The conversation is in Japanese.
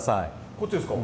こっちですか。